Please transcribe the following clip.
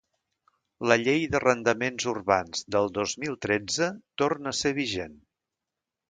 La llei d’arrendament urbans del dos mil tretze torna a ser vigent.